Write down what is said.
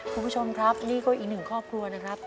คุณผู้ชมครับนี่ก็อีกหนึ่งครอบครัวนะครับ